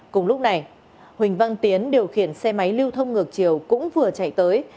cùng lúc này huỳnh văn tiến điều khiển xe máy lưu thông ngược chiều cũng vừa chạy tới